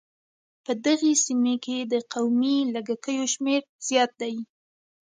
په دغې سيمې کې د قومي لږکيو شمېر زيات دی.